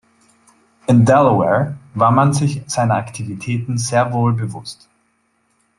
In Delaware war man sich seiner Aktivitäten sehr wohl bewusst.